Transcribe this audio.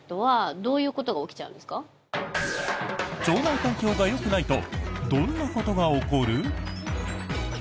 腸内環境がよくないとどんなことが起こる？